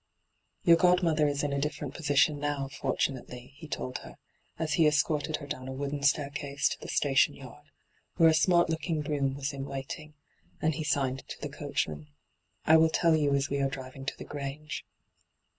' Your godmother is in a different position now, fortunately,* he told her, as he escorted her down a wooden staircase to the station yard, where a smart looking brougham was in waiting, and he signed to the coachman. ' I will tell you as we are driving to the Grange.